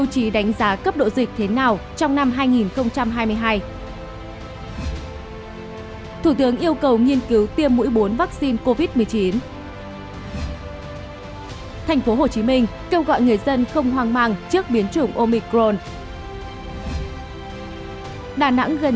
hãy đăng ký kênh để ủng hộ kênh của chúng mình nhé